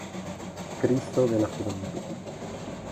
Cristo de la Juventud.